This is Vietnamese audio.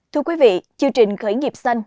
thưa quý vị chương trình khởi nghiệp xanh